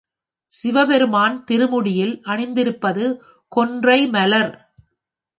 சிவபெருமான் திருமுடியில் அணிந்திருப்பது கொன்றை மலர்.